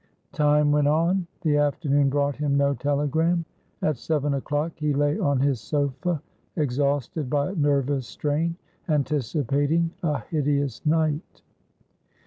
Time went on; the afternoon brought him no telegram. At seven o'clock he lay on his sofa, exhausted by nervous strain, anticipating a hideous night.